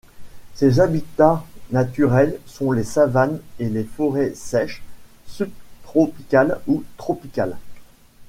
Ses habitats naturels sont les savanes et les forêts sèches subtropicales ou tropicales.